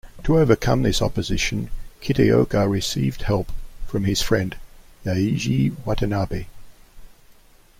To overcome this opposition, Kitaoka received help from his friend, Yaeji Watanabe.